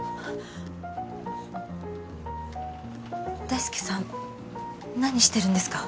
大介さん何してるんですか？